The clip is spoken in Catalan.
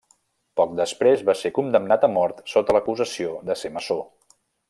Poc després, va ser condemnat a mort sota l'acusació de ser maçó.